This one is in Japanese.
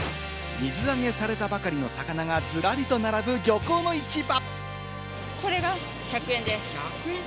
水揚げされたばかりの魚がズラリと並ぶ漁港の市場。